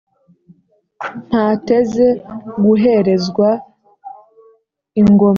Ntateze guherezwa ingoma,